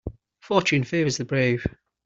Fortune favours the brave.